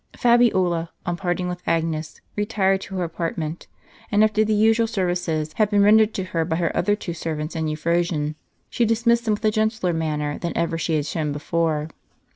Fabiola, on parting with Agnes, retired to her apartment ; and after the usual services had been rendered to her by her other two servants and Euphrosyne, she dismissed them with a gentler manner than ever she had shown before.